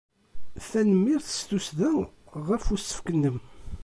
Tanemmirt s tussda ɣef usefk-nnem.